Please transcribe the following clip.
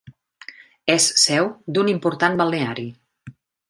És seu d'un important balneari.